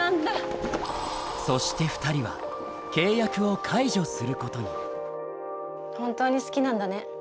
そして２人は契約を解除することに本当に好きなんだね。